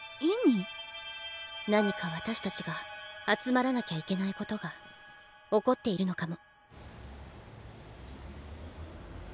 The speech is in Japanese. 何か私たちが集まらなきゃいけないことが起こっているのかも。